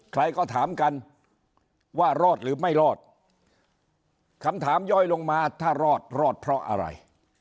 ใครก็ถามกันว่ารอดหรือไม่รอดคำถามย่อยลงมาถ้ารอดรอดเพราะอะไร